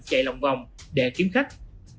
chạy lòng vòng để kiếm khách